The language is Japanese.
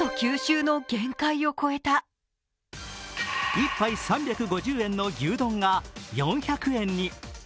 １杯３５０円の牛丼が４００円に。